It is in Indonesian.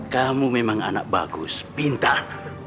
kamu memang anak bagus pintar